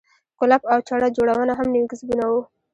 کولپ او چړه جوړونه هم نوي کسبونه وو.